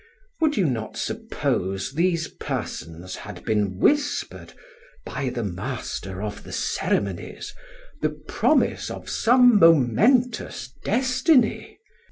Would you not suppose these persons had been whispered, by the Master of the Ceremonies, the promise of some momentous destiny?